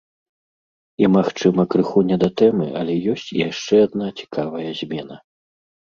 І, магчыма, крыху не да тэмы, але ёсць і яшчэ адна цікавая змена.